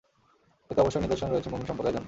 এতে অবশ্যই নিদর্শন রয়েছে মুমিন সম্প্রদায়ের জন্য।